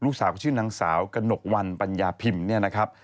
ลูกสาวชื่อนางสาวกระหนกวันปัญญาพิมพ์เนี่ยนะครับ